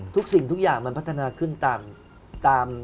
สิ่งทุกอย่างมันพัฒนาขึ้นตาม